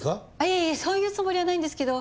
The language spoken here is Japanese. いえいえそういうつもりはないんですけど。